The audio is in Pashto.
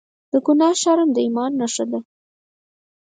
د ګناه شرم د ایمان نښه ده.